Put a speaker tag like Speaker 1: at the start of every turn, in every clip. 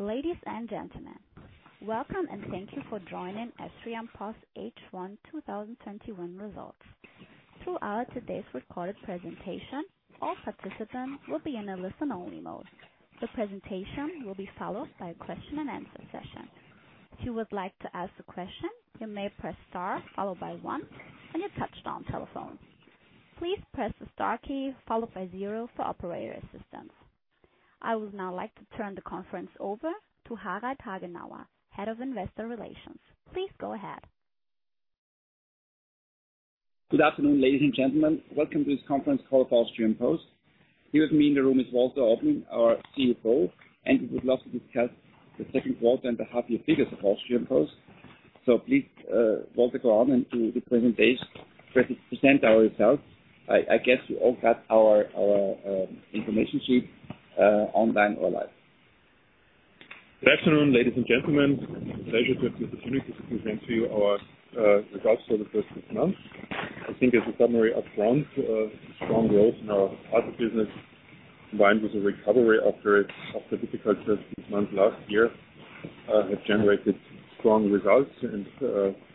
Speaker 1: Ladies and gentlemen, welcome and thank you for joining Austrian Post H1 2021 Results. Throughout today's recorded presentation, all participants will be in a listen-only mode. The presentation will be followed by a question-and-answer session. If you would like to ask a question, you may press star followed by one on your touchtone telephone. Please press the star key followed by zero for operator assistance. I would now like to turn the conference over to Harald Hagenauer, Head of Investor Relations. Please go ahead.
Speaker 2: Good afternoon, ladies and gentlemen. Welcome to this conference call for Austrian Post. Here with me in the room is Walter Oblin, our CFO. He would like to discuss the second quarter and the half year figures of Austrian Post. Please, Walter, go on and do the presentation to present our results. I guess you all got our information sheet online or live.
Speaker 3: Good afternoon, ladies and gentlemen. It is a pleasure to have the opportunity to present to you our results for the first six months. I think as a summary upfront, strong growth in our parcel business, combined with a recovery after a difficult first six months last year, have generated strong results.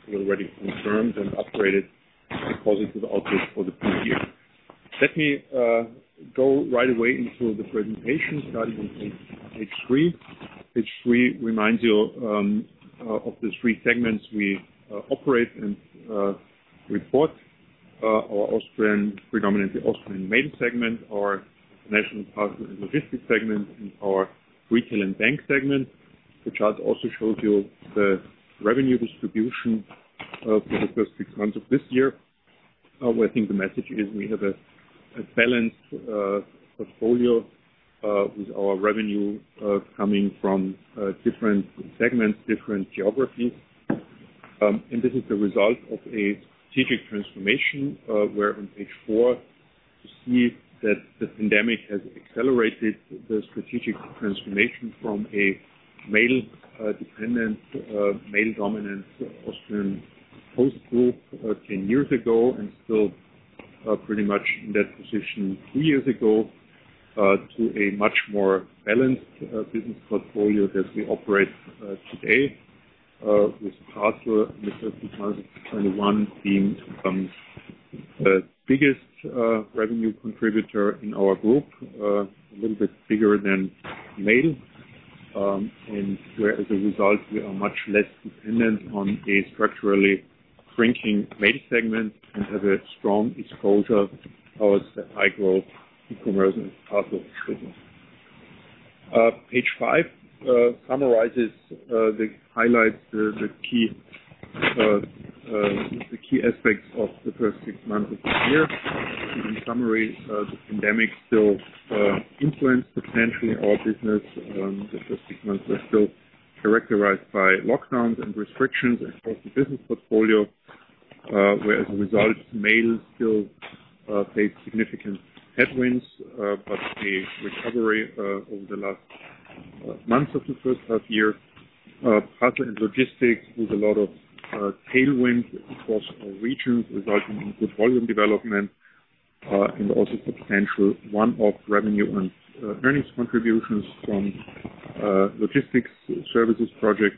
Speaker 3: We already confirmed and upgraded a positive outlook for the full year. Let me go right away into the presentation, starting on page three. Page three reminds you of the three segments we operate and report. Our predominantly Austrian mail segment, our national parcel and logistics segment, and our retail and bank segment. The chart also shows you the revenue distribution for the first six months of this year, where I think the message is we have a balanced portfolio with our revenue coming from different segments, different geographies. This is the result of a strategic transformation, where on page four, you see that the pandemic has accelerated the strategic transformation from a mail-dependent, mail-dominant Austrian Post Group 10 years ago, and still pretty much in that position three years ago, to a much more balanced business portfolio that we operate today, with parcel in the first six months of 2021 being the biggest revenue contributor in our group, a little bit bigger than mail. Where, as a result, we are much less dependent on a structurally shrinking mail segment and have a strong exposure towards the high-growth e-commerce and parcel business. Page five highlights the key aspects of the first six months of the year. In summary, the pandemic still influenced substantially our business. The first six months were still characterized by lockdowns and restrictions across the business portfolio, where as a result, mail still faced significant headwinds, but a recovery over the last months of the first half year. Parcel and logistics, with a lot of tailwind across all regions, resulting in good volume development, and also substantial one-off revenue and earnings contributions from logistics services projects.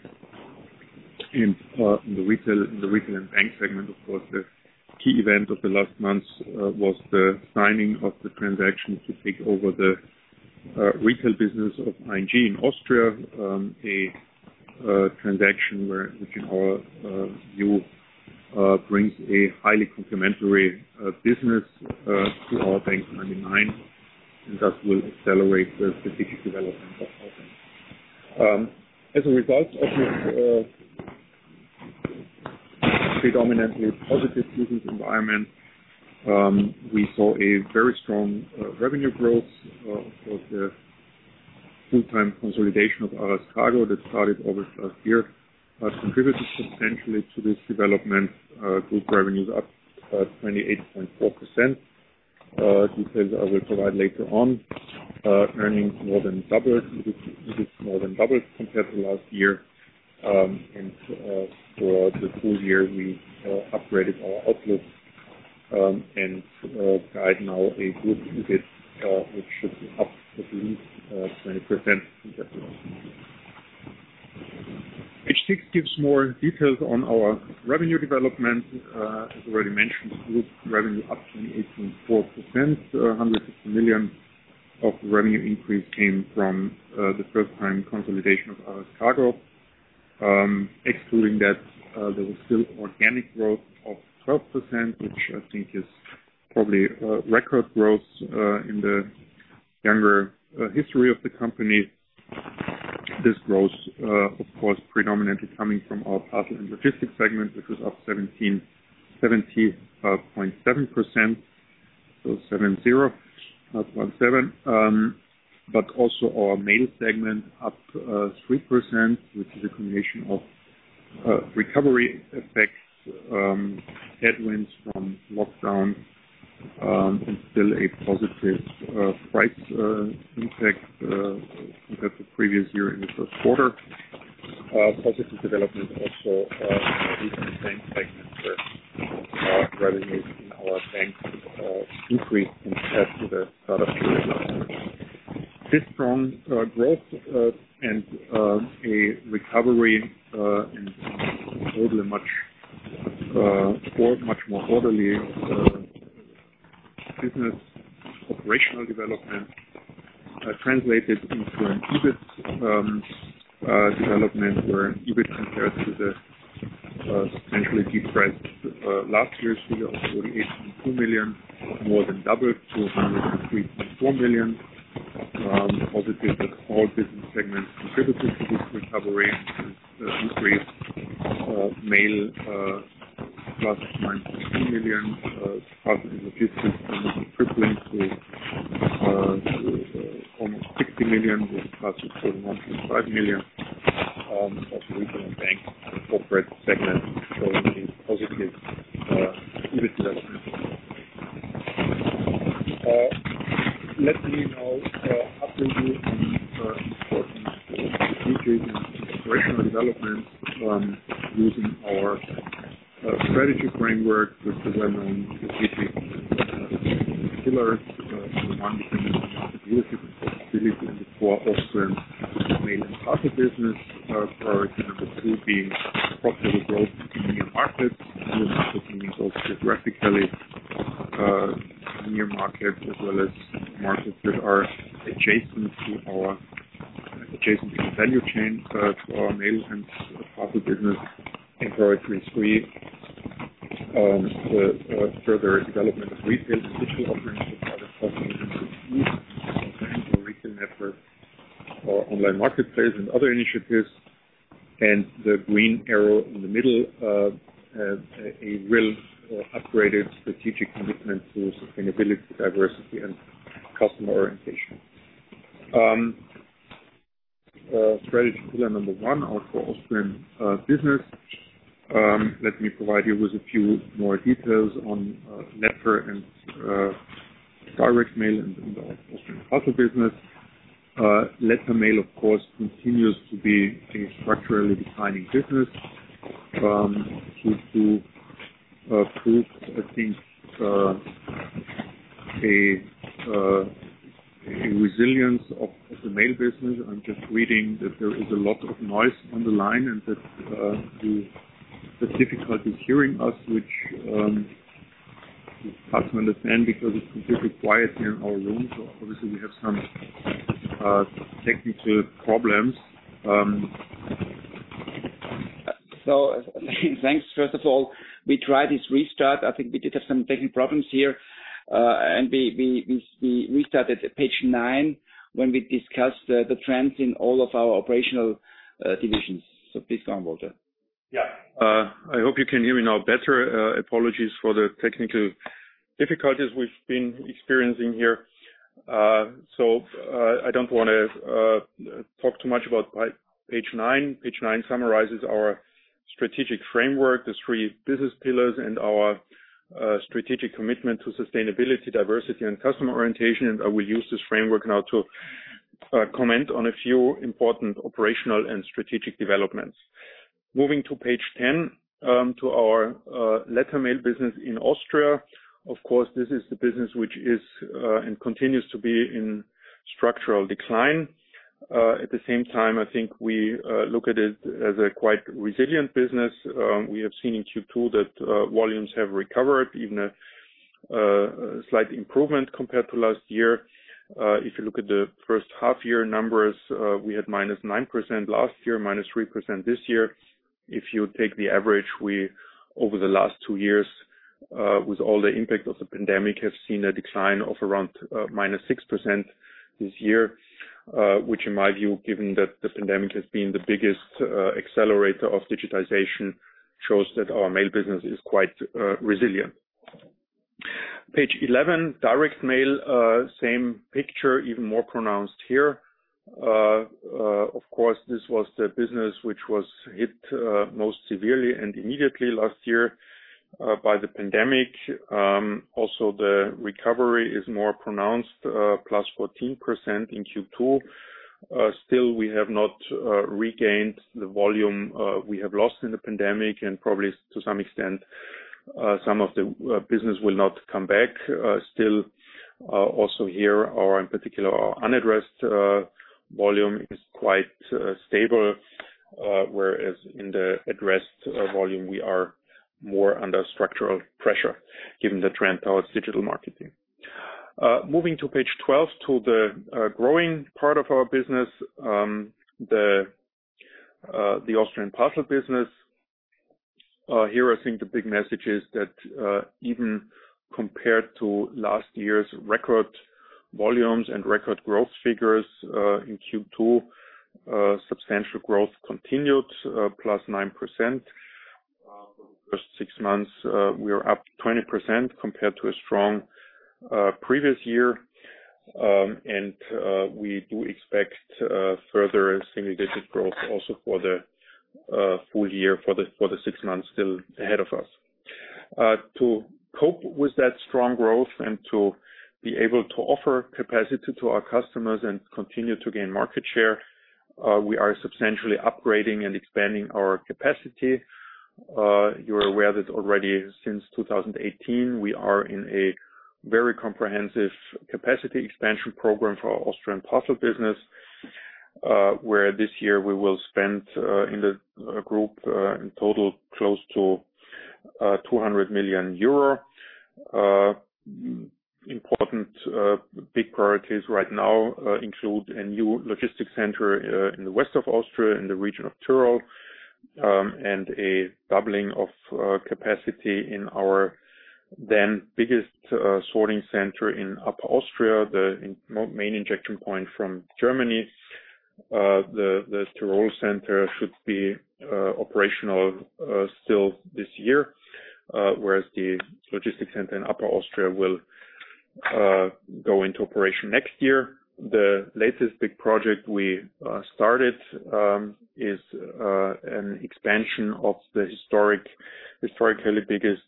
Speaker 3: In the retail and bank segment, of course, the key event of the last months was the signing of the transaction to take over the retail business of ING in Austria, a transaction which in our view brings a highly complementary business to our bank99, and thus will accelerate the strategic development of our bank. As a result of this predominantly positive business environment, we saw a very strong revenue growth of the full consolidation of Aras Kargo that started over last year, has contributed substantially to this development. Group revenue is up 28.4%. Details I will provide later on. Earnings more than doubled, EBIT more than doubled compared to last year. For the full year, we upgraded our outlook and guide now a group EBIT which should be up at least 20% compared to last year. Page six gives more details on our revenue development. As already mentioned, group revenue up 28.4%, 160 million of revenue increase came from the first-time consolidation of Aras Kargo. Excluding that, there was still organic growth of 12%, which I think is probably a record growth in the younger history of the company. This growth, of course, predominantly coming from our parcel and logistics segment, which was up 17.7%, so 7.0, not 0.7. Also our mail segment up 3%, which is a combination of recovery effects, headwinds from lockdown, and still a positive price impact compared to previous year in the first quarter. Positive development also in our retail and bank segment where Regulates in our bank increase compared to the start-up. This strong growth and a recovery in overall much more orderly business operational development, translated into an EBIT development where EBIT compared to the substantially depressed last year's figure of 48.2 million, more than doubled to 103.4 million. Positive that all business segments contributed to this recovery and increase. Mail, +19 million, Parcel and Logistics almost tripling to almost 60 million, with Parcel 49.5 million. Also, Retail and Bank and Corporate segment showing a positive EBIT development. Let me now update you on important strategic and operational development using our strategy framework with the well-known strategic pillars. The one being sustainability. The four Austrian Mail and Parcel business. Priority number two being profitable growth in new markets. We are talking both geographically near markets as well as markets that are adjacent to the value chain to our mail and parcel business. Priority three, the further development of retail, digital offerings and product cooperation between our retail network, our online marketplace, and other initiatives. The green arrow in the middle, a real upgraded strategic commitment to sustainability, diversity, and customer orientation. Strategy pillar number one, our core Austrian business. Let me provide you with a few more details on letter and direct mail in the Austrian parcel business. Letter mail, of course, continues to be a structurally declining business. Q2 proves, I think, a resilience of the mail business. I'm just reading that there is a lot of noise on the line and that the difficulty hearing us, which I can't understand because it's completely quiet here in our room. Obviously, we have some technical problems.
Speaker 2: Thanks. First of all, we tried this restart. I think we did have some technical problems here. We restarted at page nine when we discussed the trends in all of our operational divisions. Please go on, Walter.
Speaker 3: Yeah. I hope you can hear me now better. Apologies for the technical difficulties we've been experiencing here. I don't want to talk too much about page nine. Page nine summarizes our strategic framework, the three business pillars, and our strategic commitment to sustainability, diversity, and customer orientation. I will use this framework now to comment on a few important operational and strategic developments. Moving to page 10, to our letter mail business in Austria. Of course, this is the business which is and continues to be in structural decline. At the same time, I think we look at it as a quite resilient business. We have seen in Q2 that volumes have recovered, even a slight improvement compared to last year. If you look at the first half year numbers, we had -9% last year, -3% this year. If you take the average, over the last two years, with all the impact of the pandemic, have seen a decline of around -6% this year, which in my view, given that the pandemic has been the biggest accelerator of digitization, shows that our mail business is quite resilient. Page 11, direct mail, same picture, even more pronounced here. Of course, this was the business which was hit most severely and immediately last year by the pandemic. Also, the recovery is more pronounced, +14% in Q2. Still, we have not regained the volume we have lost in the pandemic and probably to some extent, some of the business will not come back. Still, also here or in particular, our unaddressed volume is quite stable, whereas in the addressed volume, we are more under structural pressure given the trend towards digital marketing. Moving to page 12 to the growing part of our business, the Austrian parcel business. Here, I think the big message is that, even compared to last year's record volumes and record growth figures, in Q2, substantial growth continued, +9%. For the first six months, we are up 20% compared to a strong previous year. We do expect further single-digit growth also for the full year, for the six months still ahead of us. To cope with that strong growth and to be able to offer capacity to our customers and continue to gain market share. We are substantially upgrading and expanding our capacity. You are aware that already since 2018, we are in a very comprehensive capacity expansion program for our Austrian parcel business, where this year we will spend in the group in total close to 200 million euro. Important big priorities right now include a new logistics center in the west of Austria in the region of Tyrol, and a doubling of capacity in our then biggest sorting center in Upper Austria, the main injection point from Germany. The Tyrol center should be operational still this year, whereas the logistics center in Upper Austria will go into operation next year. The latest big project we started is an expansion of the historically biggest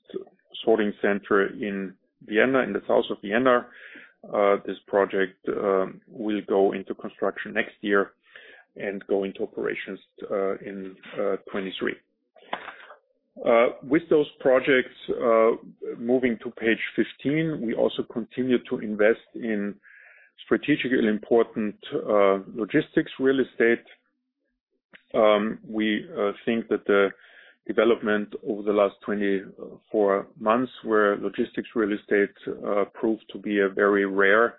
Speaker 3: sorting center in Vienna, in the south of Vienna. This project will go into construction next year and go into operations in 2023. With those projects, moving to page 15, we also continue to invest in strategically important logistics real estate. We think that the development over the last 24 months, where logistics real estate proved to be a very rare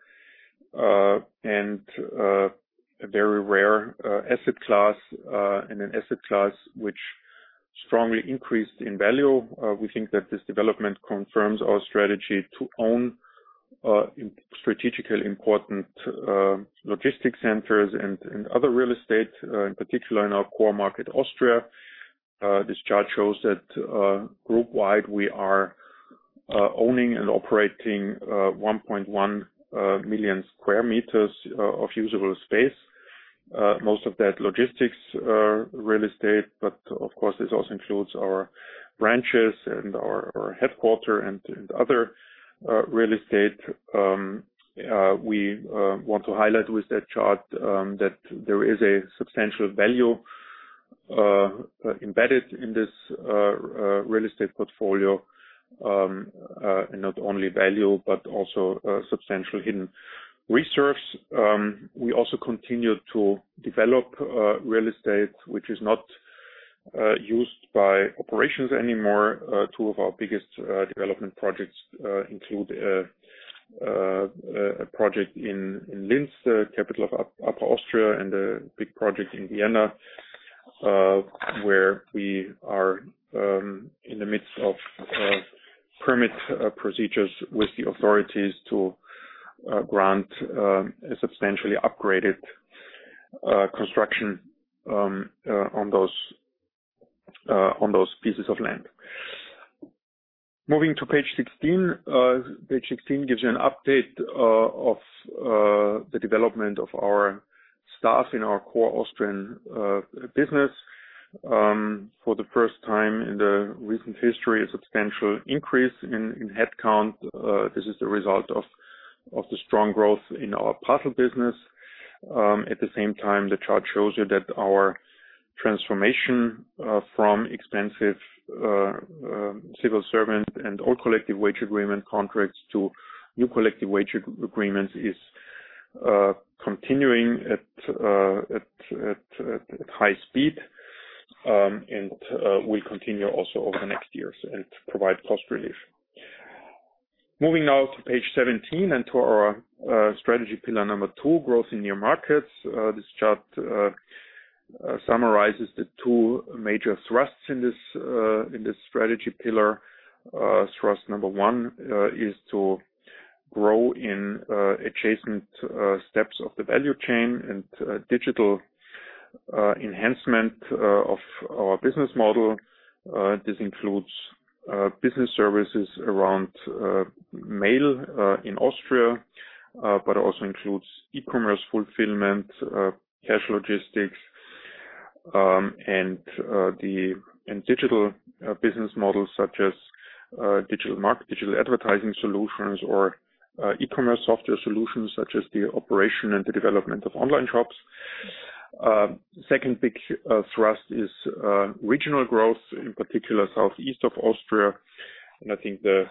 Speaker 3: asset class, and an asset class which strongly increased in value. We think that this development confirms our strategy to own strategically important logistics centers and other real estate, in particular in our core market, Austria. This chart shows that group-wide, we are owning and operating 1.1 million M2 of usable space. Of course, this also includes our branches and our headquarter and other real estate. We want to highlight with that chart that there is a substantial value embedded in this real estate portfolio. Not only value, but also substantial hidden reserves. We also continue to develop real estate, which is not used by operations anymore. Two of our biggest development projects include a project in Linz, capital of Upper Austria, and a big project in Vienna, where we are in the midst of permit procedures with the authorities to grant a substantially upgraded construction on those pieces of land. Moving to page 16. Page 16 gives you an update of the development of our staff in our core Austrian business. For the first time in the recent history, a substantial increase in headcount. This is the result of the strong growth in our parcel business. At the same time, the chart shows you that our transformation from expensive civil servant and old collective wage agreement contracts to new collective wage agreements is continuing at high speed. Will continue also over the next years and provide cost relief. Moving now to page 17 and to our strategy pillar number two, growth in new markets. This chart summarizes the two major thrusts in this strategy pillar. Thrust number one is to grow in adjacent steps of the value chain and digital enhancement of our business model. This includes business services around mail in Austria, but it also includes e-commerce fulfillment, cash logistics, and digital business models such as digital advertising solutions or e-commerce software solutions such as the operation and the development of online shops. Second big thrust is regional growth, in particular southeast of Austria. I think the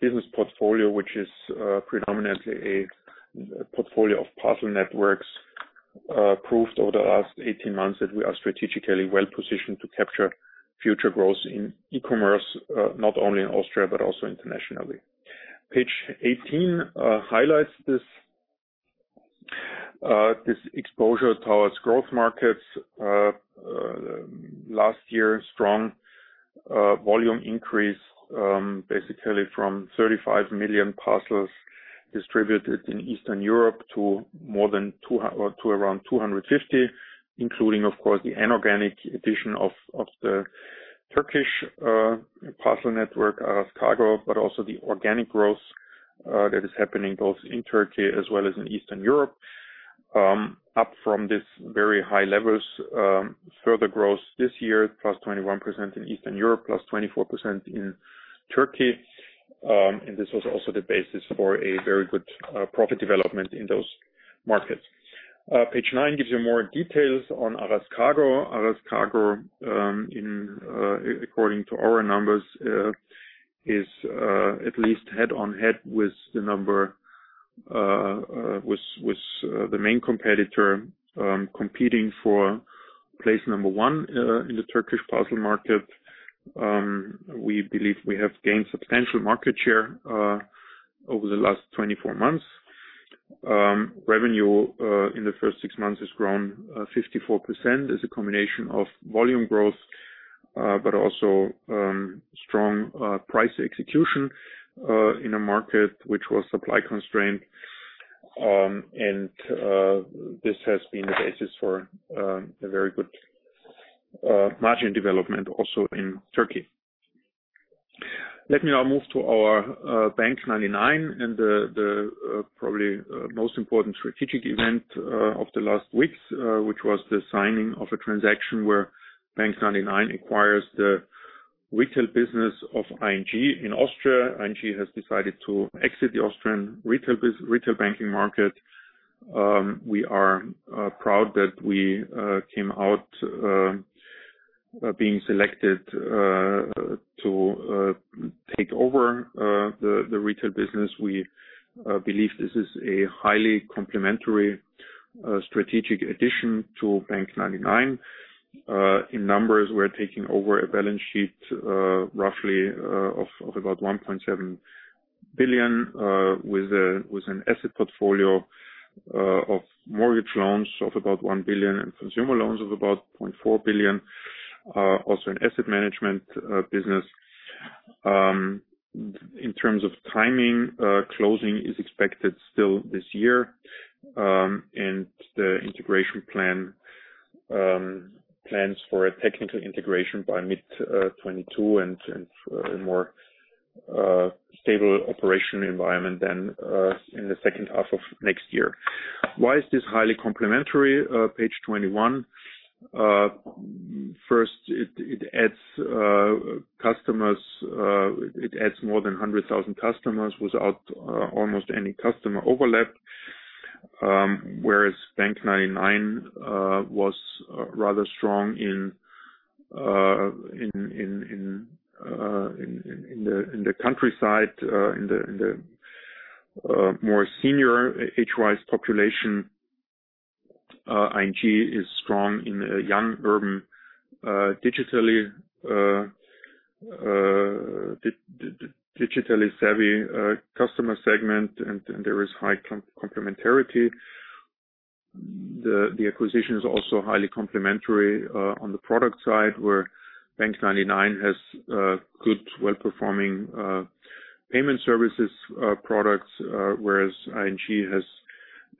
Speaker 3: business portfolio, which is predominantly a portfolio of parcel networks, proved over the last 18 months that we are strategically well-positioned to capture future growth in e-commerce, not only in Austria, but also internationally. Page 18 highlights this exposure towards growth markets. Last year, strong volume increase, basically from 35 million parcels distributed in Eastern Europe to around 250, including, of course, the inorganic addition of the Turkish parcel network, Aras Kargo, but also the organic growth that is happening both in Turkey as well as in Eastern Europe. Up from this very high levels, further growth this year, +21% in Eastern Europe, +24% in Turkey. This was also the basis for a very good profit development in those markets. Page nine gives you more details on Aras Kargo. Aras Kargo, according to our numbers, is at least head-on-head with the main competitor, competing for place number one in the Turkish parcel market. We believe we have gained substantial market share over the last 24 months. Revenue in the first six months has grown 54%, is a combination of volume growth, also strong price execution in a market which was supply constrained. This has been the basis for a very good margin development also in Turkey. Let me now move to our bank99 and the probably most important strategic event of the last weeks, which was the signing of a transaction where bank99 acquires the retail business of ING in Austria. ING has decided to exit the Austrian retail banking market. We are proud that we came out being selected to take over the retail business. We believe this is a highly complementary strategic addition to bank99. In numbers, we're taking over a balance sheet roughly of about 1.7 billion, with an asset portfolio of mortgage loans of about 1 billion and consumer loans of about 0.4 billion, also an asset management business. In terms of timing, closing is expected still this year, and the integration plans for a technical integration by mid-2022 and a more stable operational environment than in the second half of next year. Why is this highly complementary? Page 21. First, it adds more than 100,000 customers without almost any customer overlap, whereas bank99 was rather strong in the countryside, in the more senior age-wise population. ING is strong in a young, urban, digitally savvy customer segment, and there is high complementarity. The acquisition is also highly complementary on the product side, where bank99 has good well-performing payment services products, whereas ING has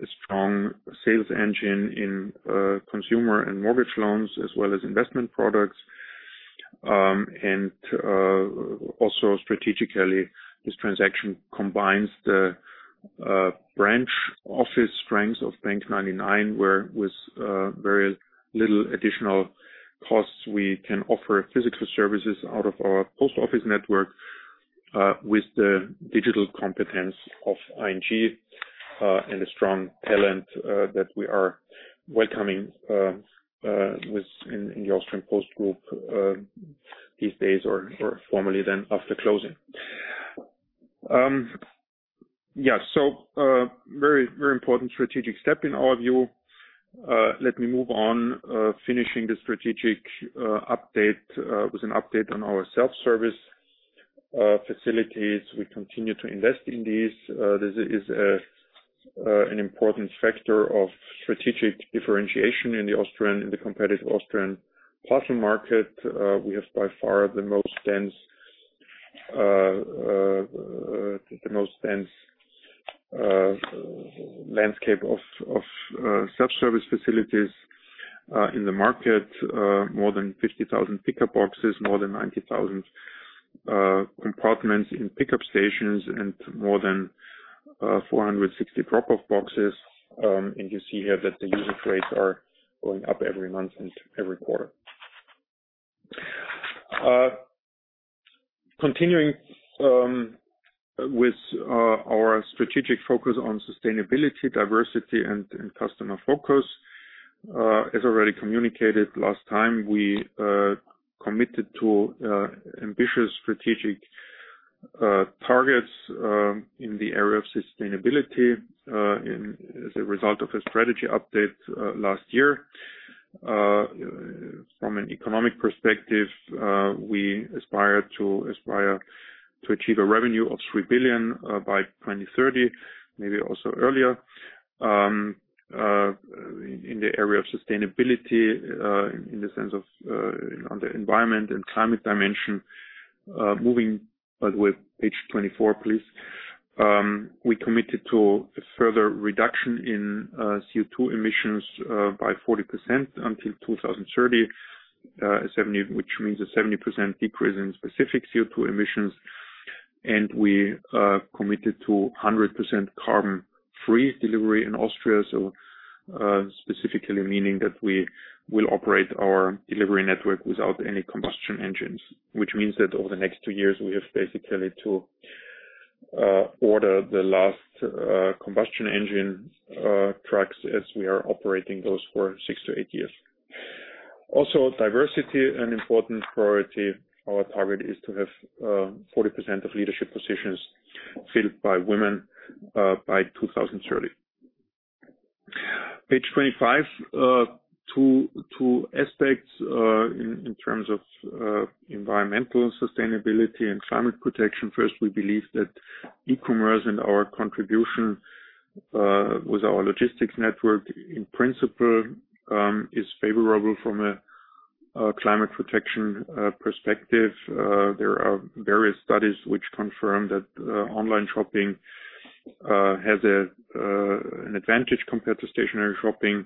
Speaker 3: a strong sales engine in consumer and mortgage loans, as well as investment products. Also strategically, this transaction combines the branch office strengths of bank99, where with very little additional costs, we can offer physical services out of our post office network with the digital competence of ING and a strong talent that we are welcoming in the Austrian Post Group these days or formally then after closing. Very important strategic step in our view. Let me move on finishing the strategic update with an update on our self-service facilities. We continue to invest in these. This is an important factor of strategic differentiation in the competitive Austrian parcel market. We have by far the most dense landscape of self-service facilities in the market. More than 50,000 pickup boxes, more than 90,000 compartments in pickup stations and more than 460 drop-off boxes. You see here that the usage rates are going up every month and every quarter. Continuing with our strategic focus on sustainability, diversity, and customer focus. As already communicated last time, we committed to ambitious strategic targets in the area of sustainability as a result of a strategy update last year. From an economic perspective, we aspire to achieve a revenue of 3 billion by 2030, maybe also earlier. In the area of sustainability, in the sense of on the environment and climate dimension. Moving, by the way, page 24, please. We committed to a further reduction in CO2 emissions by 40% until 2030, which means a 70% decrease in specific CO2 emissions. We committed to 100% carbon-free delivery in Austria, specifically meaning that we will operate our delivery network without any combustion engines, which means that over the next two years, we have basically to order the last combustion engine trucks as we are operating those for six to eight years. Diversity, an important priority. Our target is to have 40% of leadership positions filled by women by 2030. Page 25. Two aspects in terms of environmental sustainability and climate protection. First, we believe that e-commerce and our contribution with our logistics network, in principle, is favorable from a climate protection perspective. There are various studies which confirm that online shopping has an advantage compared to stationary shopping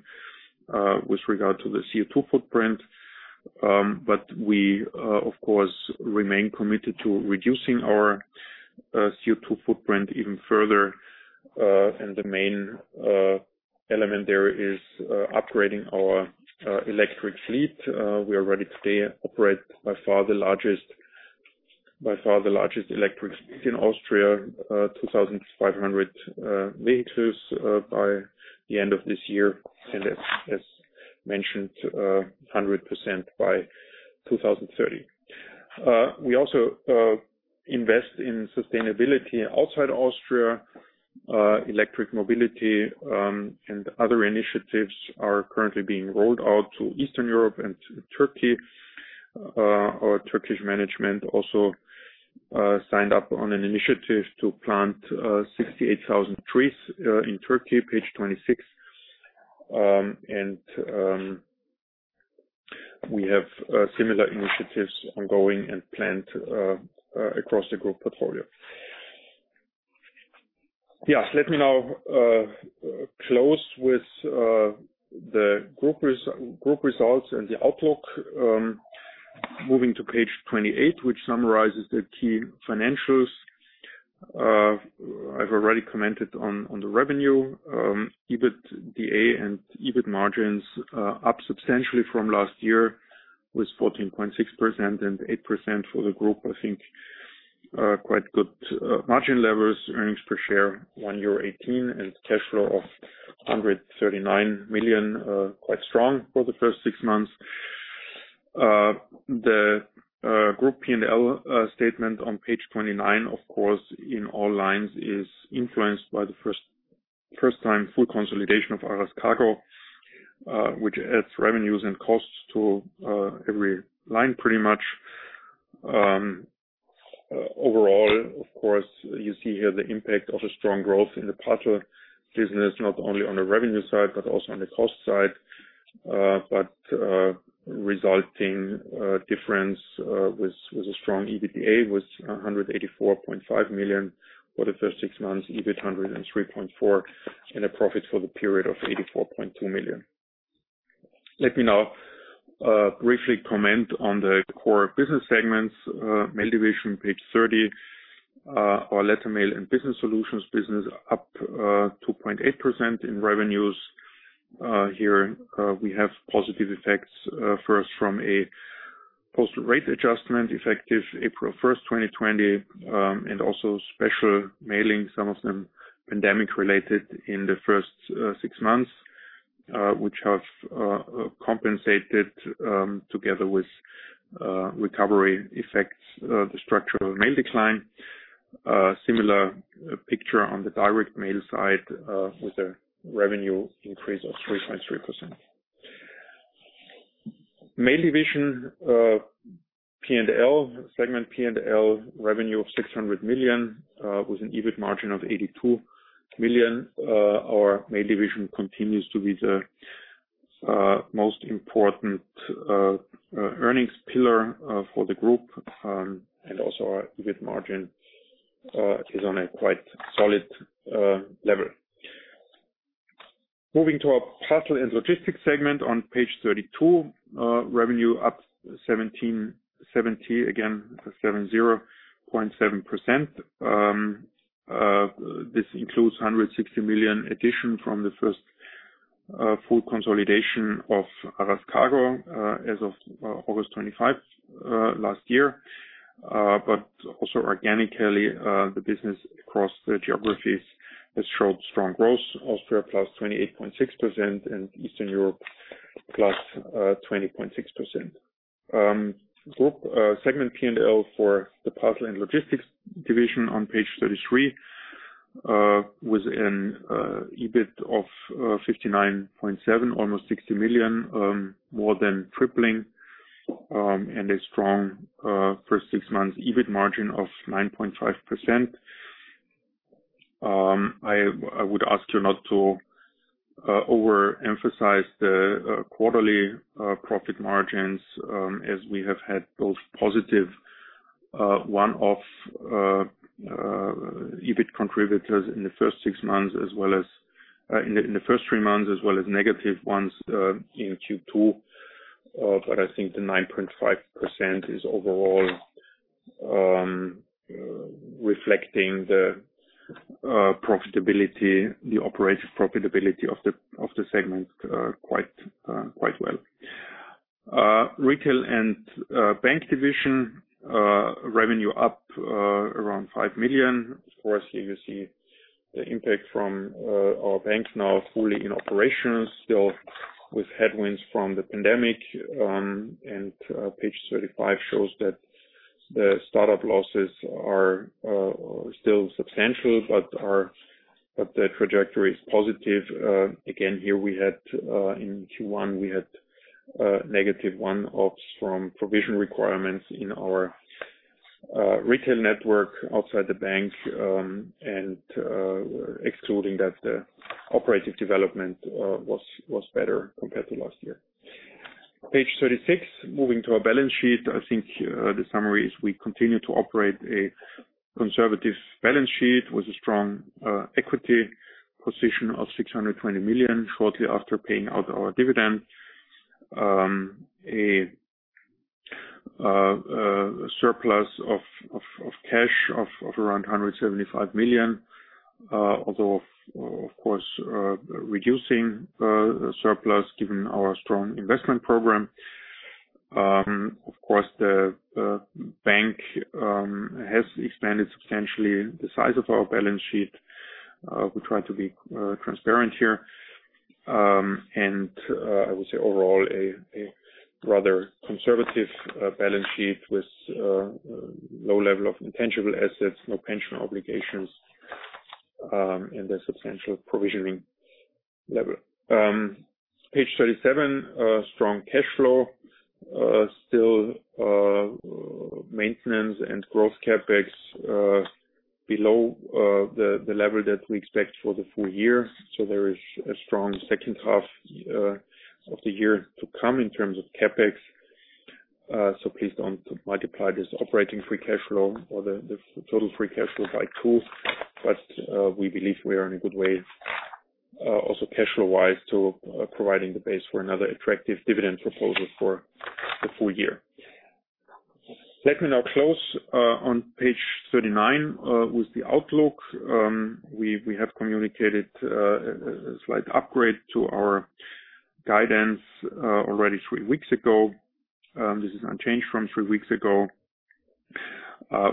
Speaker 3: with regard to the CO2 footprint. We, of course, remain committed to reducing our CO2 footprint even further, and the main element there is upgrading our electric fleet. We already today operate by far the largest electric fleet in Austria, 2,500 vehicles by the end of this year, and as mentioned, 100% by 2030. We invest in sustainability outside Austria. Electric mobility and other initiatives are currently being rolled out to Eastern Europe and to Turkey. Our Turkish management also signed up on an initiative to plant 68,000 trees in Turkey. Page 26. We have similar initiatives ongoing and planned across the group portfolio. Let me now close with the group results and the outlook. Moving to page 28, which summarizes the key financials. I've already commented on the revenue, EBITDA and EBIT margins up substantially from last year with 14.6% and 8% for the group. I think quite good margin levels. Earnings per share 1.18 euro and cash flow of 139 million, quite strong for the first six months. The group P&L statement on page 29, of course, in all lines is influenced by the first-time full consolidation of Aras Kargo, which adds revenues and costs to every line pretty much. Overall, of course, you see here the impact of a strong growth in the parcel business, not only on the revenue side, but also on the cost side. Resulting difference with a strong EBITDA was 184.5 million for the first six months, EBIT 103.4 million, and a profit for the period of 84.2 million. Let me now briefly comment on the core business segments. Mail division, page 30. Our letter mail and business solutions business up 2.8% in revenues. Here we have positive effects first from a postal rate adjustment effective April 1st, 2020, and also special mailing, some of them pandemic-related in the first six months, which have compensated, together with recovery effects, the structural mail decline. Similar picture on the direct mail side with a revenue increase of 3.3%. Mail division P&L, segment P&L revenue of 600 million with an EBIT margin of 82 million. Our mail division continues to be the most important earnings pillar for the group, and also our EBIT margin is on a quite solid level. Moving to our parcel and logistics segment on page 32. Revenue up 17.70, again, seven, zero, 0.7%. This includes 160 million addition from the first full consolidation of Aras Kargo as of August 25th last year. Also organically, the business across the geographies has showed strong growth. Austria +28.6% and Eastern Europe +20.6%. Group segment P&L for the parcel and logistics division on page 33, was an EBIT of 59.7 million, almost 60 million, more than tripling, and a strong first six months EBIT margin of 9.5%. I would ask you not to overemphasize the quarterly profit margins, as we have had both positive one-off EBIT contributors in the first three months as well as negative ones in Q2. I think the 9.5% is overall reflecting the profitability, the operative profitability of the segment quite well. Retail and bank division revenue up around 5 million. Of course, here you see the impact from our bank99 now fully in operation, still with headwinds from the pandemic, and Page 35 shows that the startup losses are still substantial, but the trajectory is positive. Again, here in Q1 we had negative one-offs from provision requirements in our retail network outside the bank99, and excluding that, the operative development was better compared to last year. Page 36. Moving to our balance sheet. I think the summary is we continue to operate a conservative balance sheet with a strong equity position of 620 million shortly after paying out our dividend. A surplus of cash of around 175 million. Although, of course, reducing surplus given our strong investment program. Of course, the bank has expanded substantially the size of our balance sheet. We try to be transparent here. I would say overall a rather conservative balance sheet with low level of intangible assets, no pension obligations, and a substantial provisioning level. Page 37. Strong cash flow. Still maintenance and growth CapEx below the level that we expect for the full year. There is a strong second half of the year to come in terms of CapEx. Please don't multiply this operating free cash flow or the total free cash flow by two. We believe we are in a good way, also cash flow-wise, to providing the base for another attractive dividend proposal for the full year. Let me now close on Page 39, with the outlook. We have communicated a slight upgrade to our guidance already three weeks ago. This is unchanged from three weeks ago.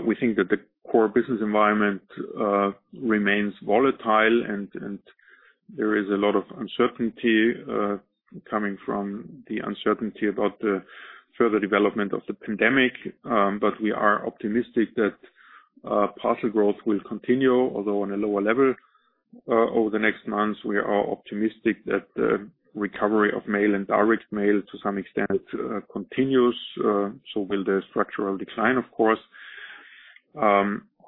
Speaker 3: We think that the core business environment remains volatile and there is a lot of uncertainty coming from the uncertainty about the further development of the pandemic. We are optimistic that parcel growth will continue, although on a lower level. Over the next months, we are optimistic that the recovery of mail and direct mail to some extent continues. Will the structural decline, of course.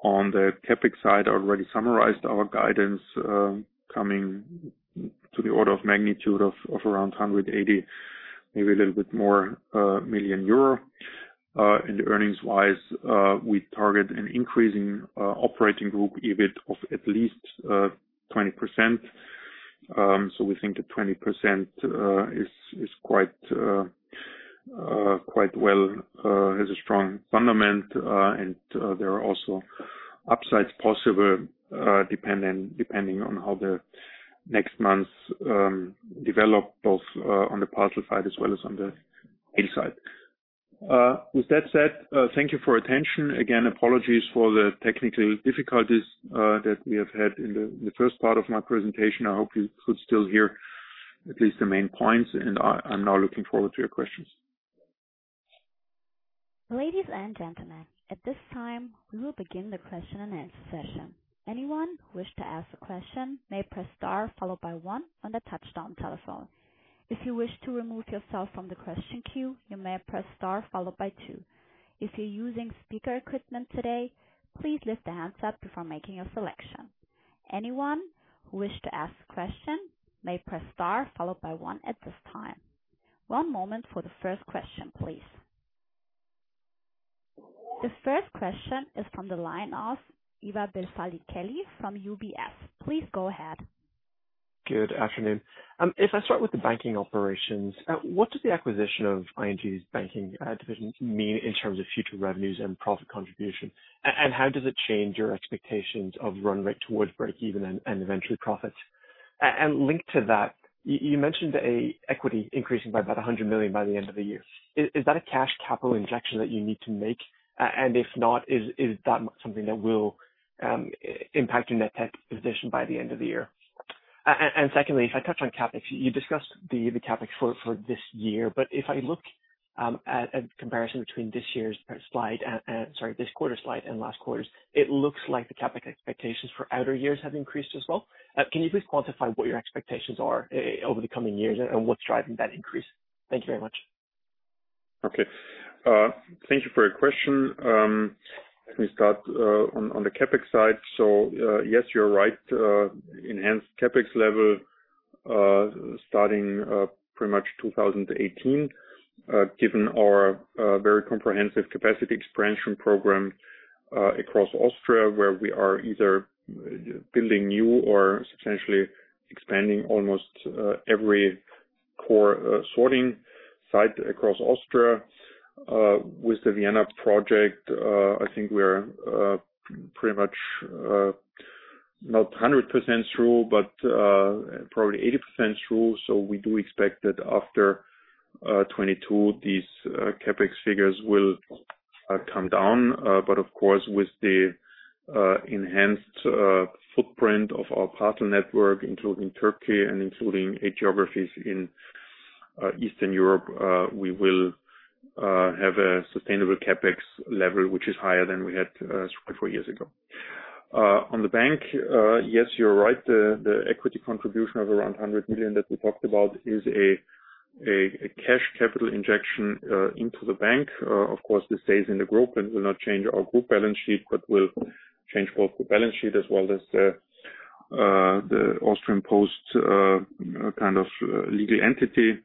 Speaker 3: On the CapEx side, I already summarized our guidance, coming to the order of magnitude of around 180, maybe a little bit more, million. Earnings-wise, we target an increasing operating group EBIT of at least 20%. We think that 20% has a strong fundament. There are also upsides possible, depending on how the next months develop, both on the parcel side as well as on the mail side. With that said, thank you for attention. Again, apologies for the technical difficulties that we have had in the first part of my presentation. I hope you could still hear at least the main points, and I'm now looking forward to your questions.
Speaker 1: Ladies and gentlemen, at this time, we will begin the question and answer session. Anyone who wish to ask a question may press star followed by one on the touchtone telephone. If you wish to remove yourself from the question queue, you may press star followed by two. If you're using speaker equipment today, please lift the handset before making a selection. Anyone who wish to ask a question may press star followed by one at this time. One moment for the first question, please. The first question is from the line of Ivar Billfalk-Kelly from UBS. Please go ahead.
Speaker 4: Good afternoon. If I start with the banking operations, what does the acquisition of ING's banking division mean in terms of future revenues and profit contribution? How does it change your expectations of run rate towards breakeven and eventually profits? Linked to that, you mentioned a equity increasing by about 100 million by the end of the year. Is that a cash capital injection that you need to make? If not, is that something that will impact your net debt position by the end of the year? Secondly, if I touch on CapEx, you discussed the CapEx for this year. If I look at a comparison between this quarter slide and last quarter's, it looks like the CapEx expectations for outer years have increased as well. Can you please quantify what your expectations are over the coming years and what's driving that increase? Thank you very much.
Speaker 3: Okay. Thank you for your question. Let me start on the CapEx side. Yes, you're right. Enhanced CapEx level starting pretty much 2018, given our very comprehensive capacity expansion program across Austria, where we are either building new or substantially expanding almost every core sorting site across Austria. With the Vienna project, I think we're pretty much not 100% through, but probably 80% through. We do expect that after 2022, these CapEx figures will come down. Of course, with the enhanced footprint of our partner network, including Turkey and including eight geographies in Eastern Europe, we will have a sustainable CapEx level, which is higher than we had three, four years ago. On the bank, yes, you're right. The equity contribution of around 100 million that we talked about is a cash capital injection into the bank. This stays in the group and will not change our group balance sheet, but will change both the balance sheet as well as the Austrian Post kind of legal entity,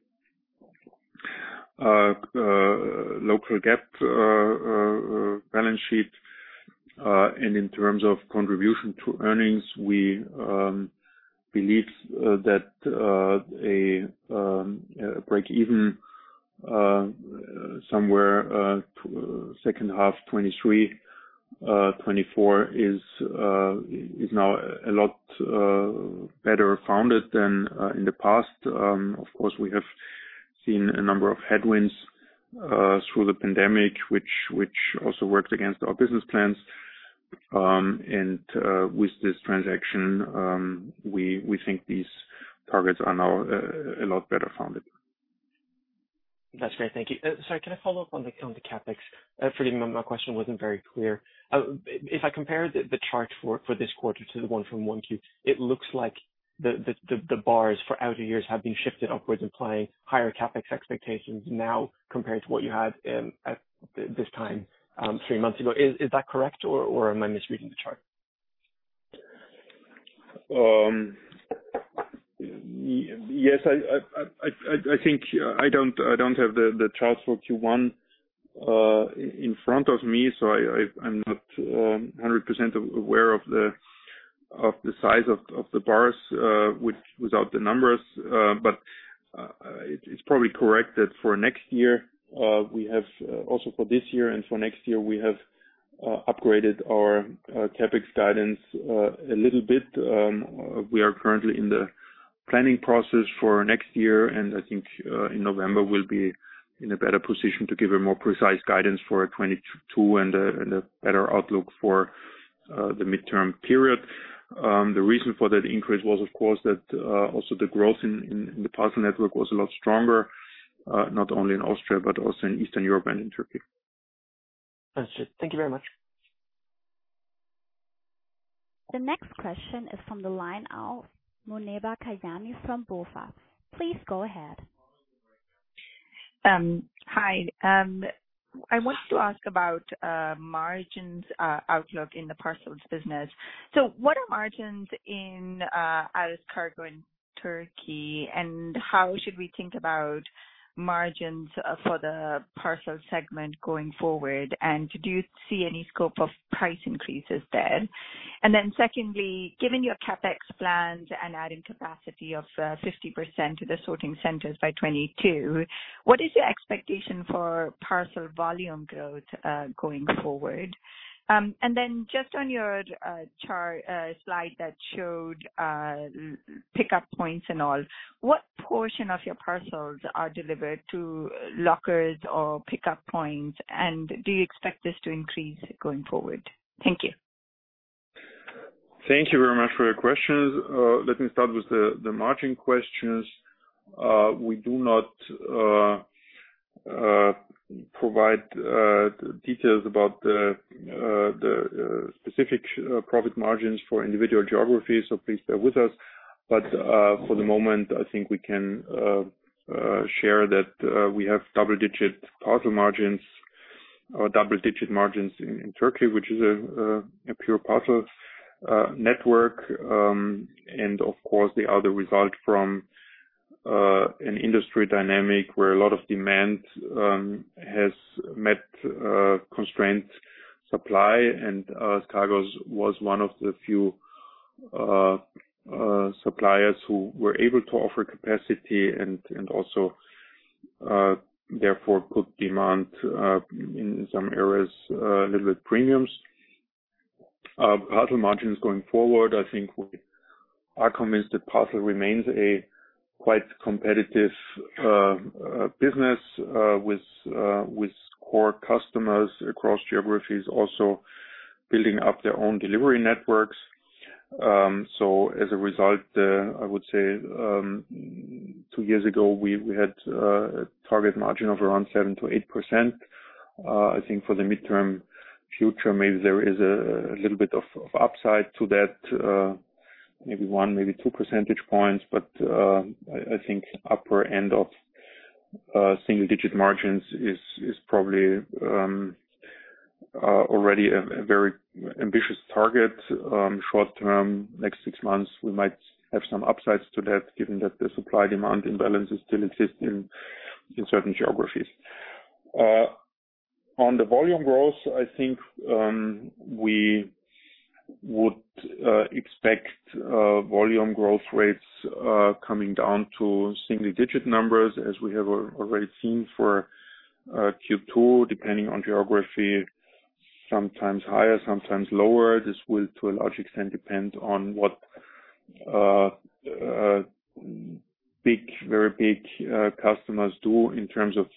Speaker 3: local GAAP balance sheet. In terms of contribution to earnings, we believe that a breakeven somewhere second half 2023, 2024 is now a lot better founded than in the past. We have seen a number of headwinds through the pandemic, which also worked against our business plans. With this transaction, we think these targets are now a lot better founded.
Speaker 4: That's great. Thank you. Sorry, can I follow up on the CapEx? Forgive me, my question wasn't very clear. If I compare the chart for this quarter to the one from 1Q, it looks like the bars for outer years have been shifted upwards, implying higher CapEx expectations now compared to what you had at this time three months ago. Is that correct, or am I misreading the chart?
Speaker 3: Yes. I think I don't have the charts for Q1 in front of me, so I'm not 100% aware of the size of the bars without the numbers. It's probably correct that for next year, also for this year and for next year, we have upgraded our CapEx guidance a little bit. We are currently in the planning process for next year, and I think in November, we'll be in a better position to give a more precise guidance for 2022 and a better outlook for the midterm period. The reason for that increase was, of course, that also the growth in the parcel network was a lot stronger, not only in Austria, but also in Eastern Europe and in Turkey.
Speaker 4: Understood. Thank you very much.
Speaker 1: The next question is from the line of Muneeba Kayani from BofA. Please go ahead.
Speaker 5: Hi. I wanted to ask about margins outlook in the parcels business. What are margins in Aras Kargo in Turkey, and how should we think about margins for the parcel segment going forward? Do you see any scope of price increases there? Secondly, given your CapEx plans and adding capacity of 50% to the sorting centers by 2022, what is your expectation for parcel volume growth going forward? Just on your slide that showed pickup points and all, what portion of your parcels are delivered to lockers or pickup points, and do you expect this to increase going forward? Thank you.
Speaker 3: Thank you very much for your questions. Let me start with the margin questions. We do not provide details about the specific profit margins for individual geographies, so please bear with us. For the moment, I think we can share that we have double-digit parcel margins or double-digit margins in Turkey, which is a pure parcel network. Of course, the other result from an industry dynamic where a lot of demand has met constraint supply and Aras Kargo was one of the few suppliers who were able to offer capacity and also, therefore, put demand in some areas, a little bit premiums. Parcel margins going forward, I think we are convinced that parcel remains a quite competitive business with core customers across geographies also building up their own delivery networks. As a result, I would say, two years ago, we had a target margin of around 7%-8%. I think for the midterm future, maybe there is a little bit of upside to that, maybe one, maybe two percentage points. I think upper end of single-digit margins is probably already a very ambitious target. Short term, next six months, we might have some upsides to that, given that the supply-demand imbalance still exists in certain geographies. On the volume growth, I think we would expect volume growth rates coming down to single-digit numbers as we have already seen for Q2, depending on geography, sometimes higher, sometimes lower. This will, to a large extent, depend on what very big customers do in terms of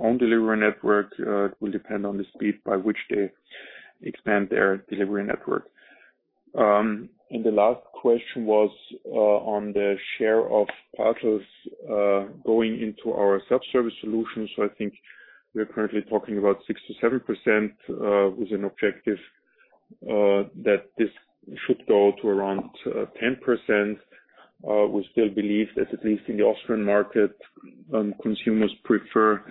Speaker 3: own delivery network. It will depend on the speed by which they expand their delivery network. The last question was on the share of parcels going into our self-service solutions. I think we are currently talking about 6%-7% with an objective that this should go to around 10%. We still believe that at least in the Austrian market, consumers prefer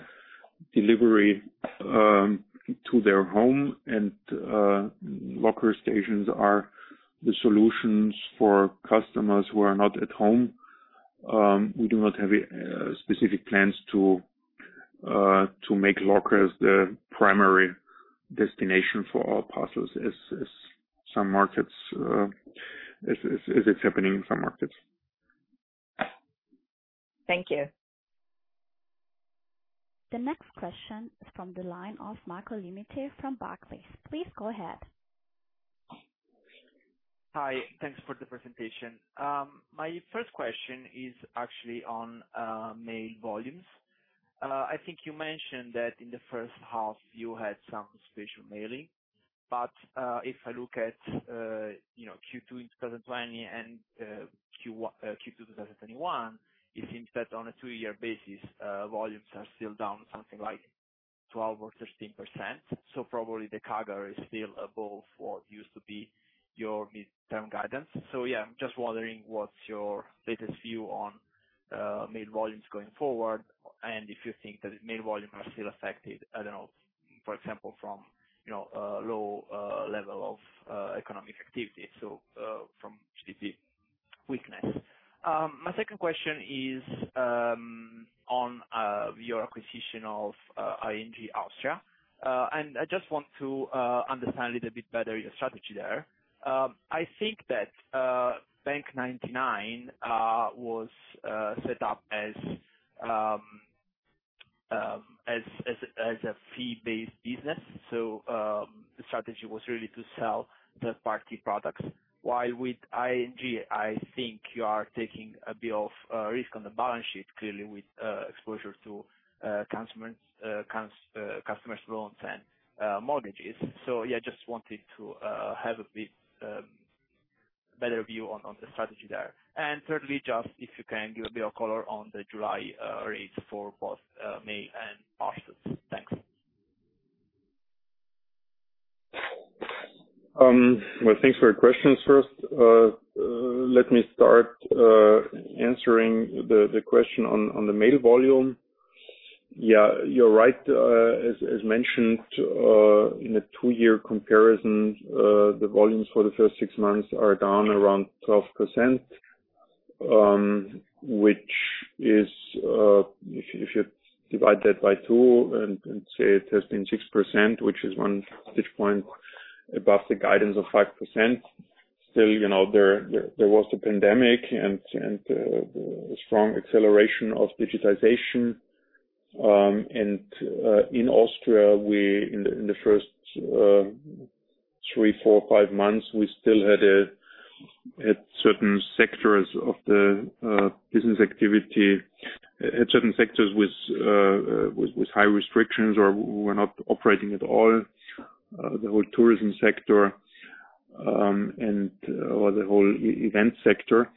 Speaker 3: delivery to their home, and locker stations are the solutions for customers who are not at home. We do not have specific plans to make lockers the primary destination for all parcels, as it is happening in some markets.
Speaker 5: Thank you.
Speaker 1: The next question is from the line of Marco Limite from Barclays. Please go ahead.
Speaker 6: Hi. Thanks for the presentation. My first question is actually on mail volumes. I think you mentioned that in the first half you had some special mailing. If I look at Q2 in 2020 and Q2 2021, it seems that on a two-year basis, volumes are still down something like 12% or 13%. Probably the CAGR is still above what used to be your midterm guidance. Yeah, I'm just wondering what's your latest view on mail volumes going forward, and if you think that mail volumes are still affected, I don't know, for example, from low level of economic activity, from GDP weakness. My second question is on your acquisition of ING Austria. I just want to understand a little bit better your strategy there. I think that bank99 was set up as a fee-based business. The strategy was really to sell third-party products. While with ING, I think you are taking a bit of risk on the balance sheet, clearly with exposure to customers' loans and mortgages. Yeah, just wanted to have a bit better view on the strategy there. Thirdly, just if you can give a bit of color on the July rates for both mail and parcels. Thanks.
Speaker 3: Well, thanks for your questions. First, let me start answering the question on the mail volume. Yeah, you are right. As mentioned, in a two-year comparison, the volumes for the first six months are down around 12%, which if you divide that by two and say it has been 6%, which is one percentage point above the guidance of 5%. Still, there was the pandemic and the strong acceleration of digitization. In Austria, in the first three, four, five months, we still had certain sectors with high restrictions or were not operating at all, the whole tourism sector, or the whole event sector.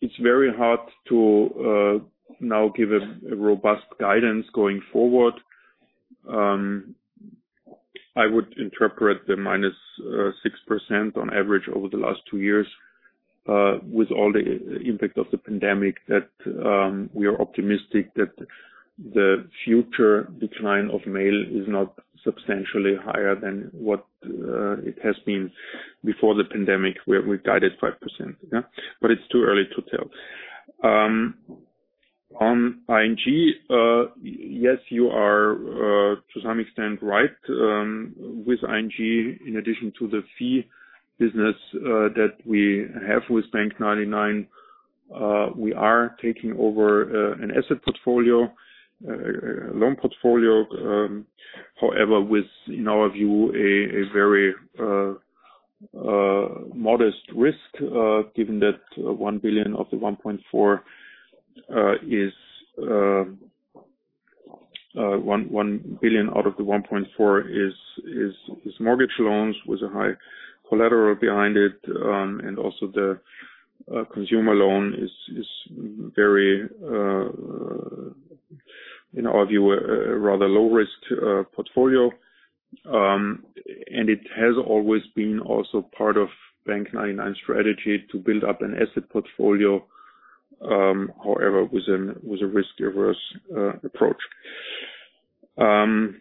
Speaker 3: It is very hard to now give a robust guidance going forward. I would interpret the -6% on average over the last two years with all the impact of the pandemic, that we are optimistic that the future decline of mail is not substantially higher than what it has been before the pandemic, where we guided 5%. Yeah? It's too early to tell. On ING, yes, you are to some extent, right. With ING, in addition to the fee business that we have with bank99, we are taking over an asset portfolio, a loan portfolio. However, with, in our view, a very modest risk given that 1 billion out of the 1.4 billion is mortgage loans with a high collateral behind it. Also, the consumer loan is very, in our view, a rather low-risk portfolio. It has always been also part of bank99 strategy to build up an asset portfolio, however, with a risk-averse approach. In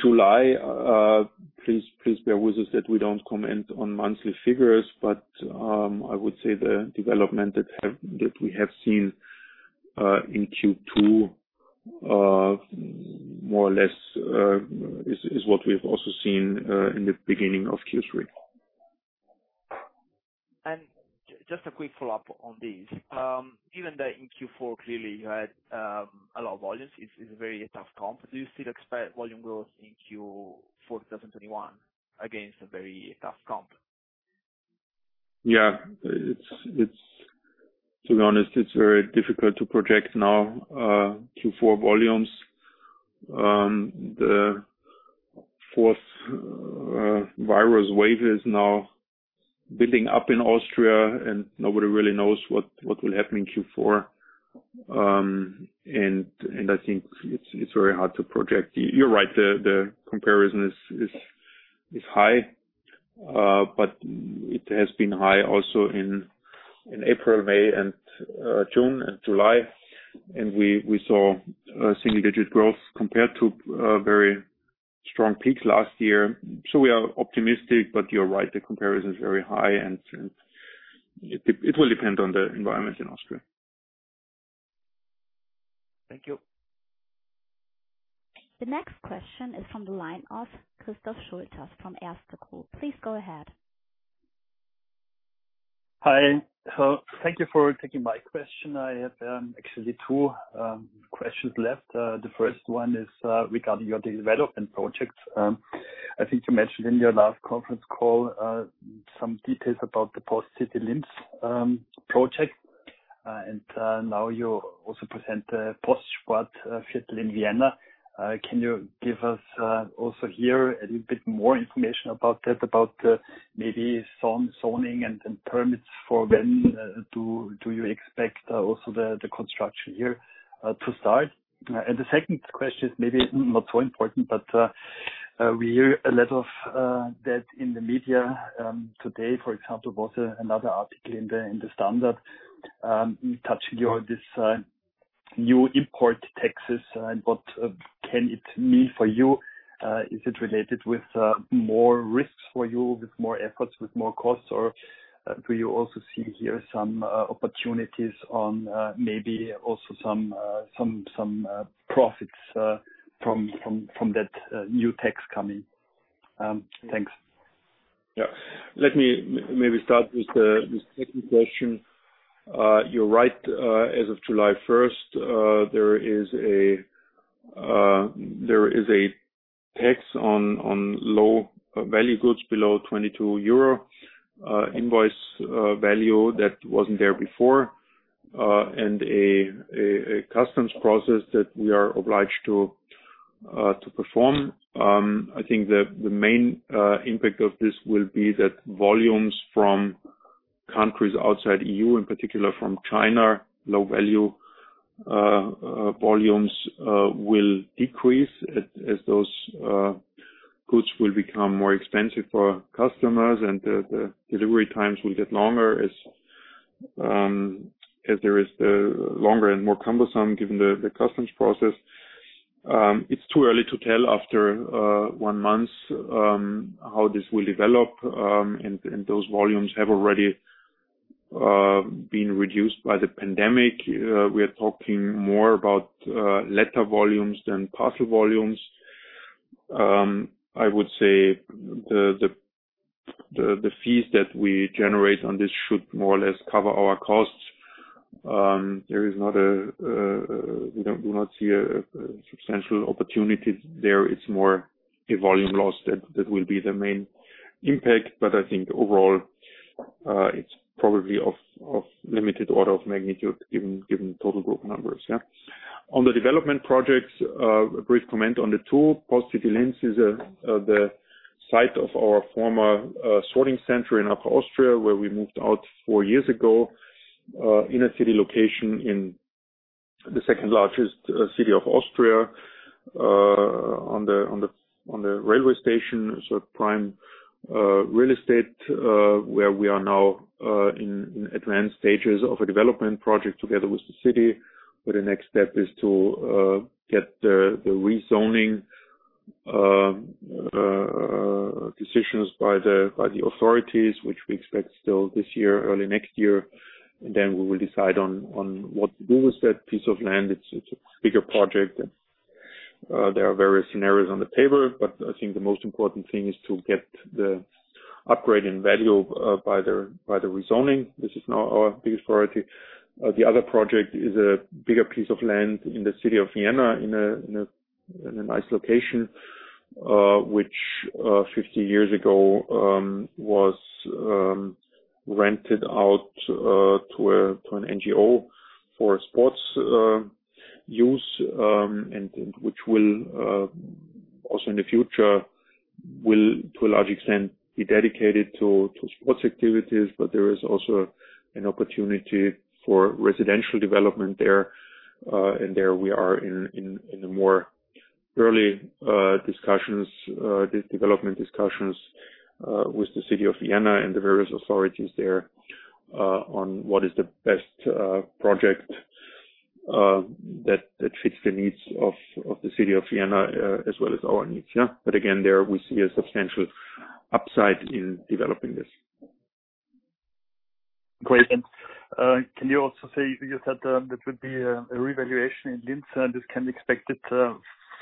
Speaker 3: July, please bear with us that we don't comment on monthly figures. I would say the development that we have seen in Q2, more or less, is what we have also seen in the beginning of Q3.
Speaker 6: Just a quick follow-up on this. Given that in Q4, clearly, you had a lot of volumes, it's a very tough comp. Do you still expect volume growth in Q4 2021 against a very tough comp?
Speaker 3: Yeah. To be honest, it's very difficult to project now Q4 volumes. The fourth virus wave is now building up in Austria, and nobody really knows what will happen in Q4. I think it's very hard to project. You're right, the comparison is high, but it has been high also in April, May and June and July. We saw single-digit growth compared to a very strong peak last year. We are optimistic, but you're right, the comparison is very high, and it will depend on the environment in Austria.
Speaker 6: Thank you.
Speaker 1: The next question is from the line of Christoph Schultes from Erste Group. Please go ahead.
Speaker 7: Hi. Thank you for taking my question. I have actually two questions left. The first one is regarding your development projects. I think you mentioned in your last conference call some details about the Post City Linz project, and now you also present Post Sport in Vienna. Can you give us also here a little bit more information about that, about maybe zoning and permits for when do you expect also the construction here to start? The second question is maybe not so important, but we hear a lot of that in the media. Today, for example, was another article in "Der Standard," touching on this new import taxes and what can it mean for you. Is it related with more risks for you, with more efforts, with more costs? Do you also see here some opportunities on maybe also some profits from that new tax coming? Thanks.
Speaker 3: Yeah. Let me maybe start with the second question. You're right. As of July 1st, there is a tax on low-value goods below 22 euro invoice value that wasn't there before, and a customs process that we are obliged to perform. I think the main impact of this will be that volumes from countries outside EU, in particular from China, low-value volumes will decrease as those goods will become more expensive for customers and the delivery times will get longer as there is the longer and more cumbersome given the customs process. It's too early to tell after one month how this will develop, and those volumes have already been reduced by the pandemic. We are talking more about letter volumes than parcel volumes. I would say the fees that we generate on this should more or less cover our costs. We do not see a substantial opportunity there. It's more a volume loss that will be the main impact. I think overall, it's probably of limited order of magnitude given total group numbers. On the development projects, a brief comment on the two. Post City Linz is the site of our former sorting center in Upper Austria, where we moved out four years ago, in a city location in the second-largest city of Austria, on the railway station, so prime real estate, where we are now in advanced stages of a development project together with the city, where the next step is to get the rezoning decisions by the authorities, which we expect still this year, early next year. Then we will decide on what to do with that piece of land. It's a bigger project. There are various scenarios on the table, but I think the most important thing is to get the upgrade in value by the rezoning. This is now our biggest priority. The other project is a bigger piece of land in the city of Vienna in a nice location, which 50 years ago, was rented out to an NGO for sports use, and which will also in the future, to a large extent, be dedicated to sports activities, but there is also an opportunity for residential development there. There we are in the more early discussions, development discussions with the city of Vienna and the various authorities there on what is the best project that fits the needs of the city of Vienna as well as our needs, yeah. Again, there we see a substantial upside in developing this.
Speaker 7: Great. Can you also say, you said there would be a revaluation in Linz, and this can be expected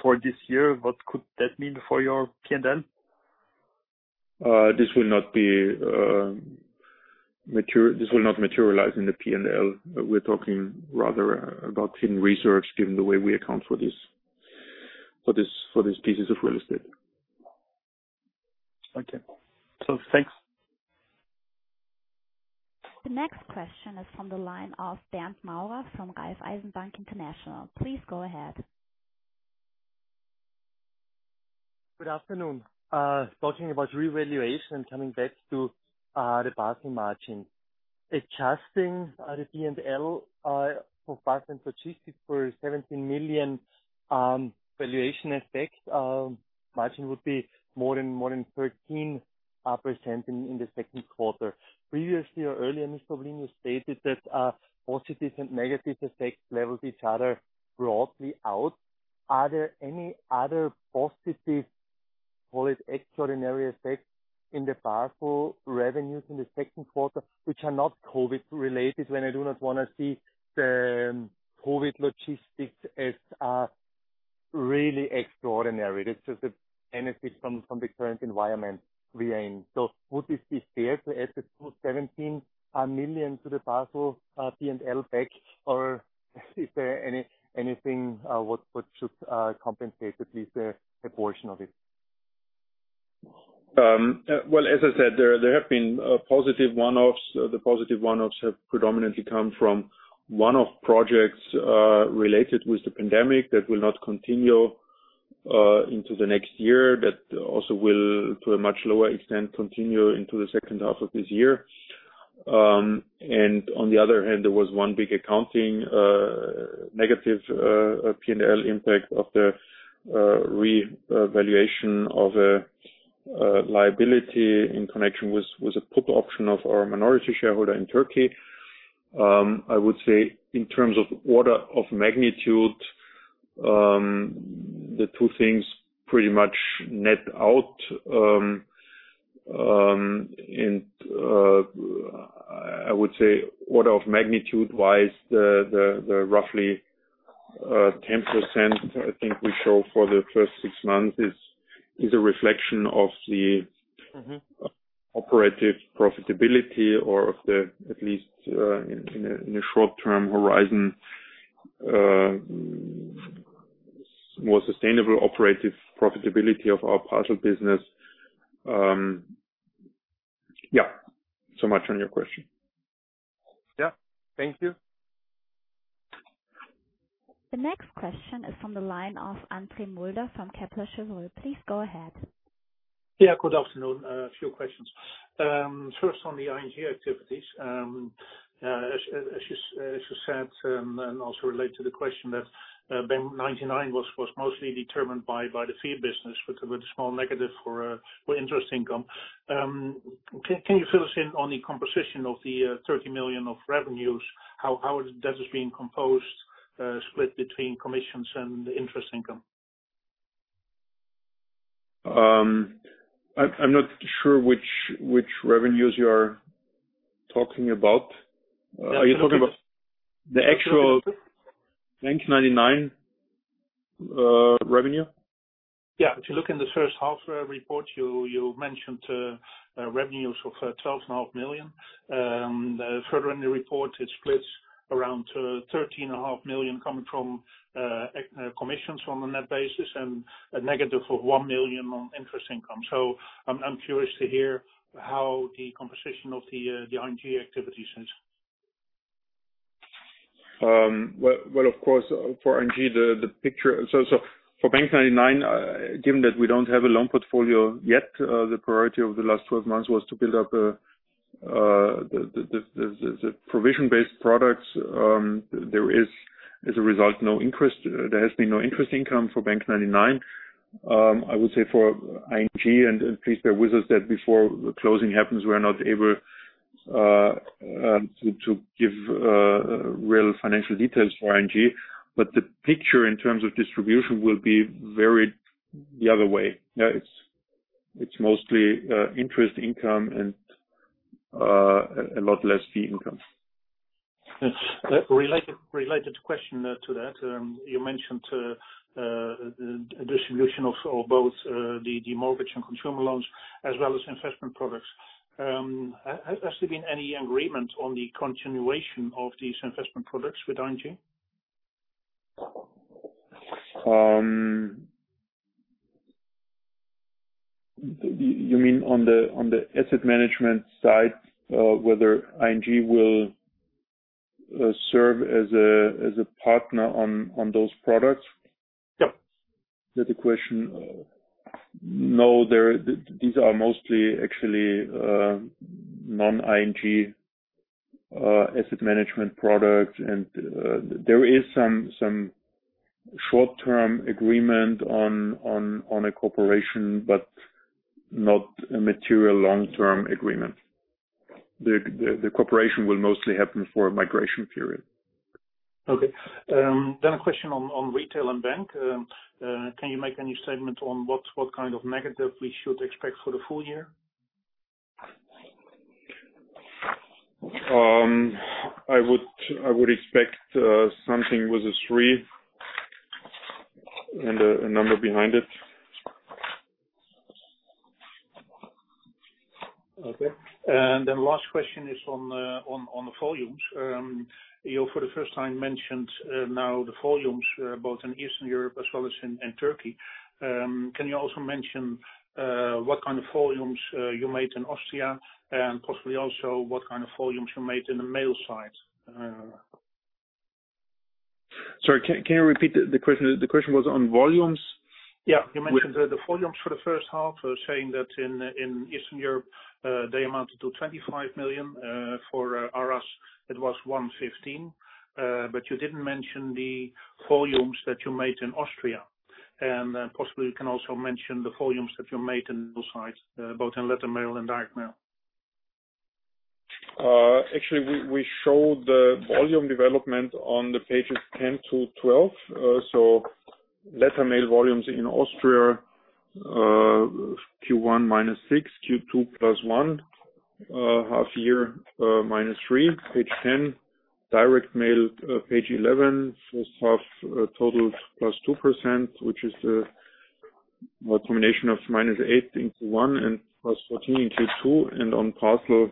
Speaker 7: for this year. What could that mean for your P&L?
Speaker 3: This will not materialize in the P&L. We're talking rather about hidden reserves, given the way we account for these pieces of real estate.
Speaker 7: Okay. Thanks.
Speaker 1: The next question is from the line of Bernd Maurer from Raiffeisen Bank International. Please go ahead.
Speaker 8: Good afternoon. Talking about revaluation and coming back to the parcel margin. Adjusting the P&L for parcel logistics for 17 million valuation effect, margin would be more than 13% in the second quarter. Previously or earlier, Mr. Oblin, you stated that positives and negatives effects leveled each other broadly out. Are there any other positive, call it extraordinary effects, in the parcel revenues in the second quarter, which are not COVID related? When I do not want to see the COVID logistics as really extraordinary. That's just a benefit from the current environment we're in. Would this be fair to add the full 17 million to the parcel P&L back? Is there anything what should compensate at least a portion of it?
Speaker 3: Well, as I said, there have been positive one-offs. The positive one-offs have predominantly come from one-off projects related with the pandemic that will not continue into the next year, but also will, to a much lower extent, continue into the second half of this year. On the other hand, there was one big accounting negative P&L impact of the revaluation of a liability in connection with a put option of our minority shareholder in Turkey. I would say in terms of order of magnitude, the two things pretty much net out. I would say order of magnitude-wise, the roughly 10%, I think we show for the first six months is a reflection of the-operative profitability or of the, at least in a short-term horizon, more sustainable operative profitability of our parcel business. Yeah. Much on your question.
Speaker 8: Yeah. Thank you.
Speaker 1: The next question is from the line of Andre Mulder from Kepler Cheuvreux. Please go ahead.
Speaker 9: Good afternoon. A few questions. First on the ING activities. As you said and also relate to the question that bank99 was mostly determined by the fee business with a small negative for interest income. Can you fill us in on the composition of the 30 million of revenues? How that is being composed, split between commissions and interest income?
Speaker 3: I'm not sure which revenues you are talking about. Are you talking about the actual bank99 revenue?
Speaker 9: Yeah. If you look in the first half report, you mentioned revenues of 12.5 million. Further in the report, it splits around 13.5 million coming from commissions on a net basis and a -1 million on interest income. I'm curious to hear how the composition of the ING activities is.
Speaker 3: Of course, for ING, the picture-- So for bank99, given that we don't have a loan portfolio yet, the priority over the last 12 months was to build up the provision-based products. There is, as a result, no interest. There has been no interest income for bank99. I would say for ING, and please bear with us that before the closing happens, we are not able to give real financial details for ING. The picture in terms of distribution will be varied the other way. It's mostly interest income and a lot less fee income.
Speaker 9: Related question to that. You mentioned distribution of both the mortgage and consumer loans as well as investment products. Has there been any agreement on the continuation of these investment products with ING?
Speaker 3: You mean on the asset management side, whether ING will serve as a partner on those products?
Speaker 9: Yep.
Speaker 3: Is that the question? No. These are mostly actually non-ING asset management products, and there is some short-term agreement on a cooperation, but not a material long-term agreement. The cooperation will mostly happen for a migration period.
Speaker 9: A question on retail and bank. Can you make any statement on what kind of negative we should expect for the full year?
Speaker 3: I would expect something with a three and a number behind it.
Speaker 9: Okay. Last question is on the volumes. You for the first time mentioned now the volumes, both in Eastern Europe as well as in Turkey. Can you also mention what kind of volumes you made in Austria? Possibly also what kind of volumes you made in the mail side?
Speaker 3: Sorry, can you repeat the question? The question was on volumes?
Speaker 9: Yeah. You mentioned the volumes for the first half, saying that in Eastern Europe, they amounted to 25 million. For Aras, it was 115. You didn't mention the volumes that you made in Austria. Possibly you can also mention the volumes that you made in those sites, both in letter mail and direct mail.
Speaker 3: Actually, we showed the volume development on the pages 10 to 12. Letter mail volumes in Austria, Q1 -6, Q2 +1, half year -3, page 10. Direct mail, page 11, first half total +2%, which is a combination of -8 in Q1 and +14 in Q2, and on parcel,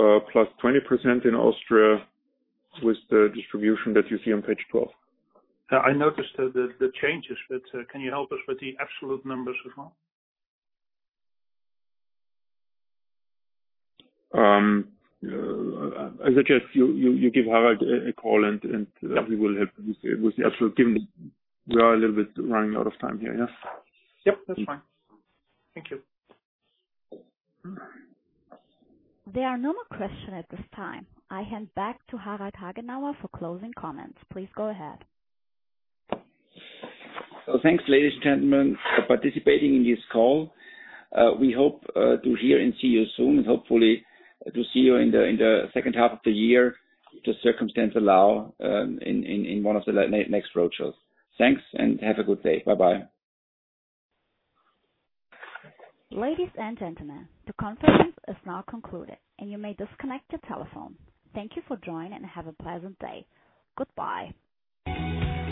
Speaker 3: +20% in Austria with the distribution that you see on page 12.
Speaker 9: I noticed the changes, but can you help us with the absolute numbers as well?
Speaker 3: I suggest you give Harald a call, and he will help you with the absolute given we are a little bit running out of time here, yes?
Speaker 9: Yep. That's fine. Thank you.
Speaker 1: There are no more questions at this time. I hand back to Harald Hagenauer for closing comments. Please go ahead.
Speaker 2: Thanks, ladies and gentlemen, for participating in this call. We hope to hear and see you soon, and hopefully to see you in the second half of the year if the circumstances allow, in one of the next roadshows. Thanks, and have a good day. Bye-bye.
Speaker 1: Ladies and gentlemen, the conference is now concluded, and you may disconnect your telephone. Thank you for joining and have a pleasant day. Goodbye.